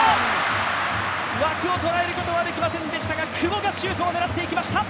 枠を捉えることはできませんでしたがシュートを打っていきました。